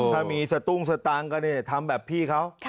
ถ้ามีสตุ้งสตางค์ก็เนี่ยทำแบบพี่เขา